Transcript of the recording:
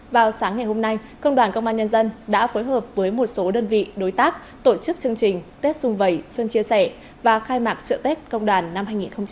vào sáng ngày hôm nay công đoàn công an nhân dân đã phối hợp với một số đơn vị đối tác tổ chức chương trình tết xuân vầy xuân chia sẻ và khai mạc trợ tết công đoàn năm hai nghìn hai mươi bốn